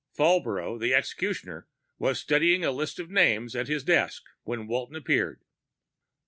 Falbrough, the executioner, was studying a list of names at his desk when Walton appeared.